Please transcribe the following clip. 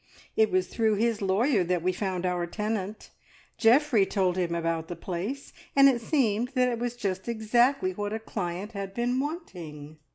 It was through his lawyer that we found our tenant. Geoffrey told him about the place, and it seemed that it was just exactly what a client had been wanting.